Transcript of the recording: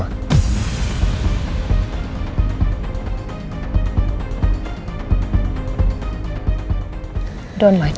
jangan bercanda sama aku